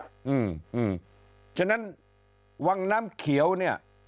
เพราะฉะนั้นวังน้ำเขียวเนี่ย